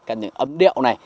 cảm nhận âm điệu này